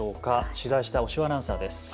取材した押尾アナウンサーです。